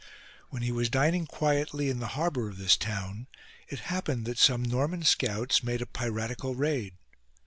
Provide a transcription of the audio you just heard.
When he was dining quietly in the harbour of this town, it happened that some Norman scouts made a piratical raid.